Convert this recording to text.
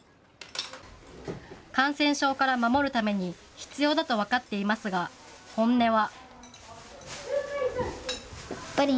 感染症から守るために必要だと分かっていますが、本音は。